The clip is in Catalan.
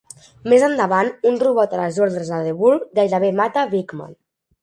Més endavant, un robot a les ordres de Devoure gairebé mata Bigman.